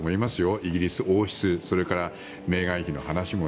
イギリス王室メーガン妃の話も。